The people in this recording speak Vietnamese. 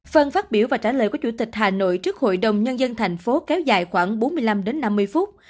phần phát biểu và trả lời của chủ tịch hà nội trước hội đồng nhân dân thành phố kéo dài khoảng bốn mươi năm đến năm mươi phút